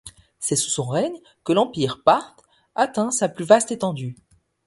C'est sous son règne que l'empire parthe atteint sa plus vaste étendue.